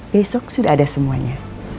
besok sudah ada semuanya